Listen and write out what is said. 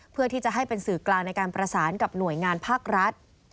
เพื่อที่จะให้เป็นสื่อกลางในการประสานกับหน่วยงานภาครัฐ